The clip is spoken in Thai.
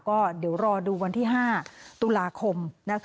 ก็เดี๋ยวรอดูวันที่๕ตุลาคม